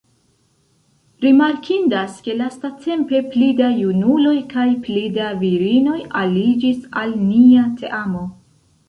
Rimarkindas ke lastatempe pli da junuloj kaj pli da virinoj aliĝis al nia teamo.